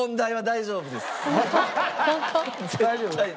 大丈夫？